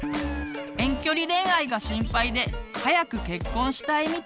遠距離恋愛が心配で早く結婚したいみたい。